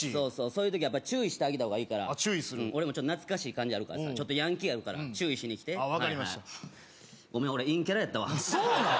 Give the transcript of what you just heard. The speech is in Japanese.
そういう時は注意してあげた方が俺もちょっと懐かしい感じあるからちょっとヤンキーやるから注意しにきて分かりましたごめん俺陰キャラやったわそうなの！？